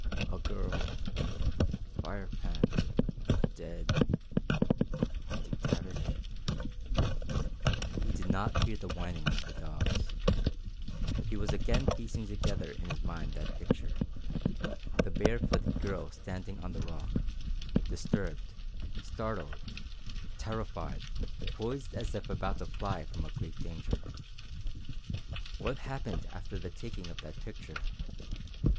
"A girl ... Firepan ... dead ... haunting Tavish...." He did not hear the whining of the dogs. He was again piecing together in his mind that picture the barefooted girl standing on the rock, disturbed, startled, terrified, poised as if about to fly from a great danger. What had happened after the taking of that picture?